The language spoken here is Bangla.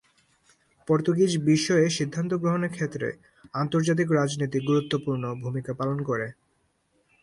পর্তুগিজ বিষয়ে সিদ্ধান্ত গ্রহণের ক্ষেত্রে আন্তর্জাতিক রাজনীতি গুরুত্বপূর্ণ ভূমিকা পালন করে।